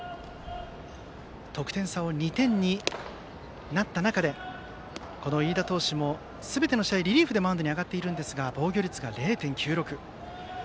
得点差が２点になった中で飯田投手もすべての試合リリーフでマウンドに上がっているんですが防御率が０．９６。